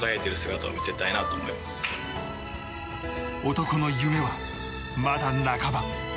男の夢は、まだ半ば。